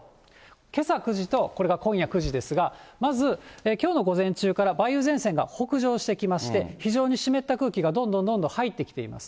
けさ９時と、これが今夜９時ですが、まずきょうの午前中から梅雨前線が北上してきまして、非常に湿った空気がどんどんどんどん入ってきています。